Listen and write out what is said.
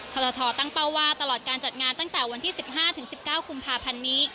ทรทตั้งเป้าว่าตลอดการจัดงานตั้งแต่วันที่๑๕๑๙กุมภาพันธ์นี้